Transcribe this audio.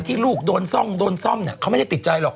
ลูกโดนซ่องโดนซ่อมเนี่ยเขาไม่ได้ติดใจหรอก